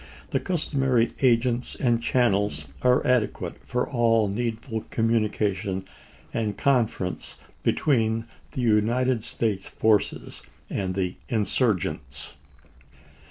The customary agents and channels are adequate for all need ful communication and conference between the United States forces and the insurgents.